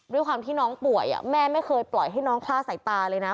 ด้วยความที่น้องป่วยแม่ไม่เคยปล่อยให้น้องคลาดสายตาเลยนะ